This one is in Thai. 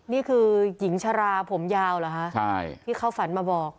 นี่คือหญิงชราผมยาวเหรอคะที่เขาฝันมาบอก